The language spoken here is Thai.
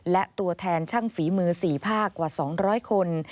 และตัวแทนช่างฝีมือ๔ภาคกว่า๒๐๐คน